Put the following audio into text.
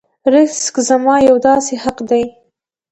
رزق زما یو داسې حق دی.